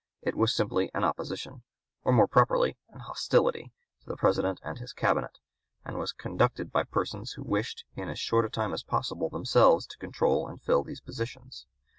It was simply an opposition, or more properly an hostility, to the President and his Cabinet, and was conducted by persons who wished in as short a time as possible themselves to control and fill those positions.